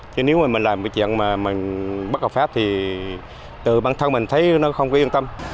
chứ nếu mà mình làm cái chuyện mà mình bất hợp pháp thì từ bản thân mình thấy nó không có yên tâm